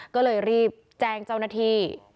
ก็เลยรีบแจ้งเจ้าหน้าที่